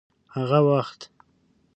هغه وخت